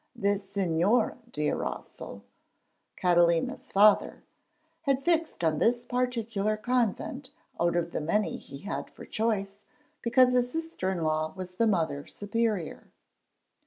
The Señor de Erauso, Catalina's father, had fixed on this particular convent out of the many he had for choice, because his sister in law was the Mother Superior.